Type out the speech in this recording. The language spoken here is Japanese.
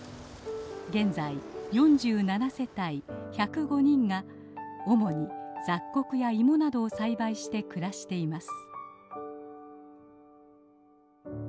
現在４７世帯１０５人が主に雑穀や芋などを栽培して暮らしています。